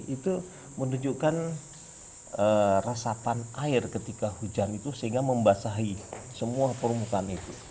itu menunjukkan resapan air ketika hujan itu sehingga membasahi semua permukaan itu